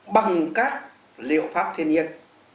bằng các liệu pháp thiên nhiên